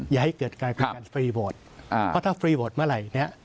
อย่าให้เกิดการคุยการฟรีโหดค่ะเพราะว่าท่าฟรีโหดเมื่อไหรี่นี่